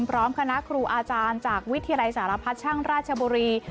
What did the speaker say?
พร้อมคณะครูอาจารย์จากวิทยาลัยสารพัชช่างราชบุรี